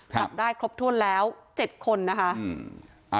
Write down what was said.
จับได้ครบถ้วนแล้ว๗คนนะคะ